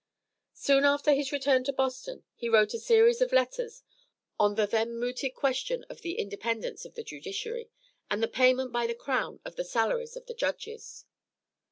Soon after his return to Boston he wrote a series of letters on the then mooted question of the independence of the judiciary, and the payment by the Crown of the salaries of the Judges.